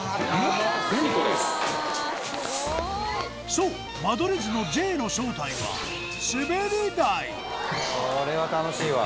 そう間取り図のＪの正体はこれは楽しいわ。